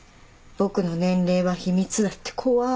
「僕の年齢は秘密」だって怖。